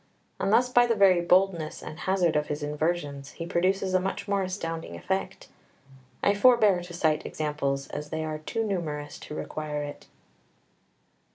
And thus by the very boldness and hazard of his inversions he produces a much more astounding effect. I forbear to cite examples, as they are too numerous to require it.